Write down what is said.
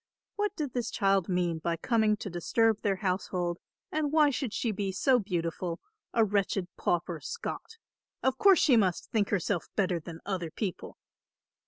What did this child mean by coming to disturb their household, and why should she be so beautiful, a wretched pauper Scot? Of course she must think herself better than other people!